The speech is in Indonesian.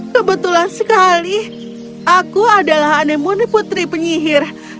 kebetulan sekali aku adalah anemoni putri penyihir